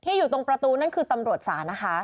อยู่ตรงประตูนั่นคือตำรวจศาลนะคะ